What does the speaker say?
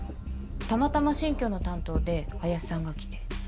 たまたま新居の担当で林さんが来て。